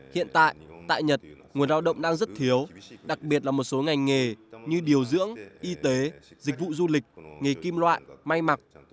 hiện tại tại nhật nguồn lao động đang rất thiếu đặc biệt là một số ngành nghề như điều dưỡng y tế dịch vụ du lịch nghề kim loại may mặc